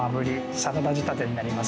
サラダ仕立てになります。